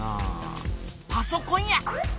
パソコンや！